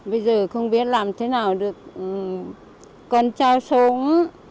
bây giờ không biết làm thế nào được con trao sống